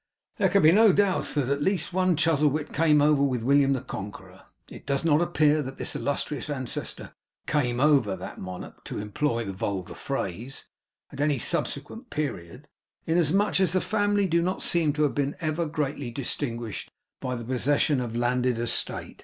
There can be no doubt that at least one Chuzzlewit came over with William the Conqueror. It does not appear that this illustrious ancestor 'came over' that monarch, to employ the vulgar phrase, at any subsequent period; inasmuch as the Family do not seem to have been ever greatly distinguished by the possession of landed estate.